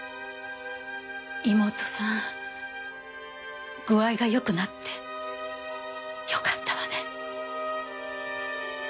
妹さん具合がよくなってよかったわね。